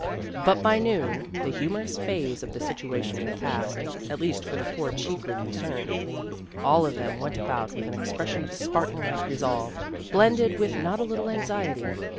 But by noon the humorous phase of the situ ation had passed, at least for the four chiefly concerned. All of them went about with an expression of Spartan like resolve, blended with not a little anxiety.